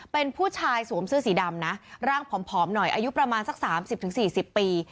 เป็นผู้ชายสวมเสื้อสีดำนะร่างผอมหน่อยอายุประมาณสัก๓๐๔๐ปี